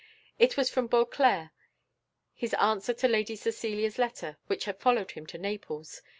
It was from Beauclerc, his answer to Lady Cecilia's letter, which had followed him to Naples.